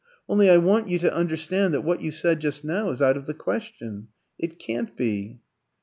Only I want you to understand that what you said just now is out of the question. It can't be."